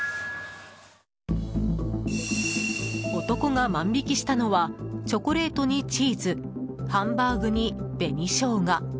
男が万引きしたのはチョコレートにチーズハンバーグに、紅ショウガ